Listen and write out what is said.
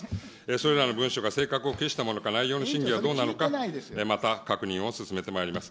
それらの文書が正確をきしたものか、内容の真偽はどうなのか、また確認を進めてまいります。